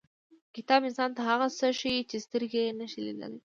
• کتاب انسان ته هغه څه ښیي چې سترګې یې نشي لیدلی.